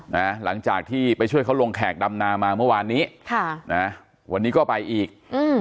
หลังจากที่ไปช่วยเขาลงแขกดำนามาเมื่อวานนี้ค่ะนะวันนี้ก็ไปอีกอืม